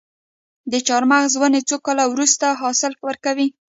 د چهارمغز ونې څو کاله وروسته حاصل ورکوي؟